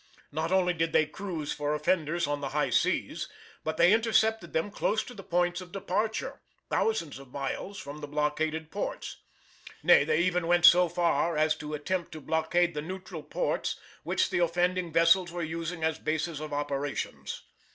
Not only did they cruise for offenders on the high seas, but they intercepted them close to their points of departure, thousands of miles from the blockaded ports. Nay, they even went so far as to attempt to blockade the neutral ports which the offending vessels were using as bases of operations.